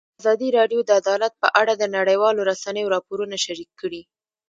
ازادي راډیو د عدالت په اړه د نړیوالو رسنیو راپورونه شریک کړي.